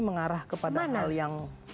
mengarah kepada hal yang